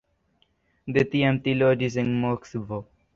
De tiam li loĝis en Moskvo.